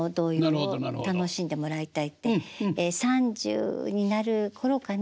３０になる頃かな？